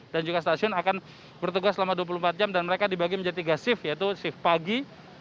dan juga stasiun akan bertugas selama dua puluh empat jam dan mereka dibagi menjadi tiga shift yaitu shift pagi